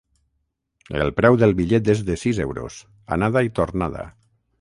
El preu del bitllet és de sis euros, anada i tornada.